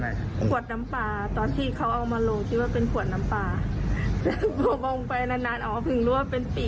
แล้วก็พระภัยก็ยังเล็กอยู่ยังเล็กไป